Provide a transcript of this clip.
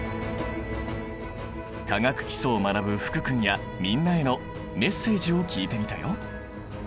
化学基礎を学ぶ福君やみんなへのメッセージを聞いてみたよ。